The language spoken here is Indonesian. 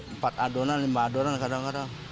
empat adonan lima adonan kadang kadang